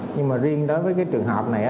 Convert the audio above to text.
nhưng mà riêng đối với cái trường hợp này